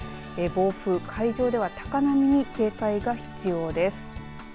暴風、海上では高波に警戒が必要です。